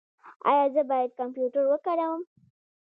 ایا زه باید کمپیوټر وکاروم؟